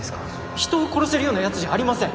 人を殺せるような奴じゃありません